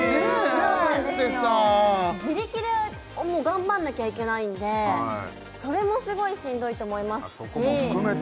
ホントね自力でもう頑張んなきゃいけないんでそれもすごいしんどいと思いますしそこも含めて